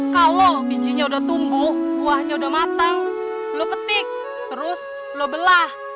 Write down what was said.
kalau bijinya udah tumbuh buahnya udah matang lo petik terus lo belah